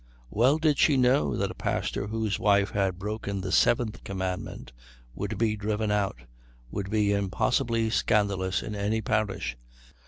Well did she know that a pastor whose wife had broken the seventh commandment would be driven out, would be impossibly scandalous in any parish.